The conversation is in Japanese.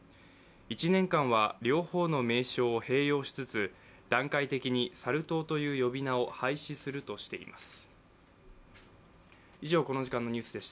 １年間は両方の名称を併用しつつ段階的にサル痘という呼び名を廃止するとしています。